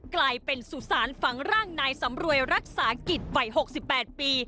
กลายเป็นสุสานฝังร่างนายสำรวยรักษากิจวัย๖๘ปี